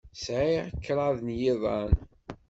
Sɛiɣ kraḍ n yiḍan.